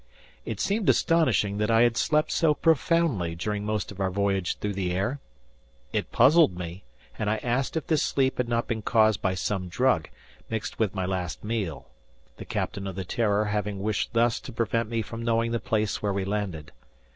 It seemed astonishing that I had slept so profoundly during most of our voyage through the air. It puzzled me and I asked if this sleep had not been caused by some drug, mixed with my last meal, the captain of the "Terror" having wished thus to prevent me from knowing the place where we landed.